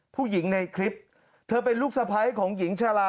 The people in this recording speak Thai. ผู้หญิงในคลิปเธอเป็นลูกสะพ้ายของหญิงชาลา